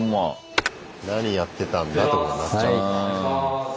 何やってたんだってことになっちゃうんだ。